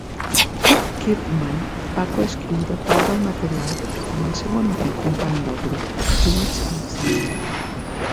Kirkman va co-escriure part del material amb el seu amic i company del grup Jules Alexander.